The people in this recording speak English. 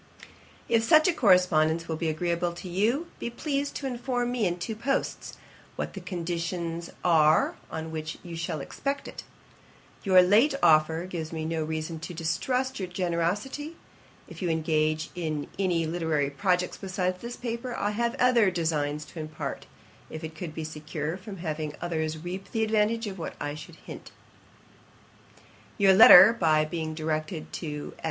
'If such a correspondence will be agreeable to you, be pleased to inform me in two posts, what the conditions are on which you shall expect it. Your late offer gives me no reason to distrust your generosity. If you engage in any literary projects besides this paper, I have other designs to impart, if I could be secure from having others reap the advantage of what I should hint. [Page 92: Verses on a sprig of myrtle. A.D. 1734.] 'Your letter by being directed to _S.